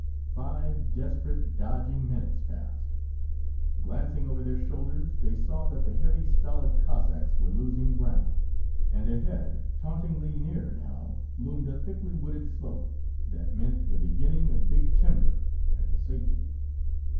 Five desperate, dodging minutes passed. Glancing over their shoulders, they saw that the heavy, stolid Cossacks were losing ground. And ahead, tauntingly near now, loomed a thickly wooded slope that meant the beginning of big timber and safety.